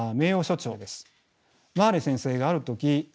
マーレー先生がある時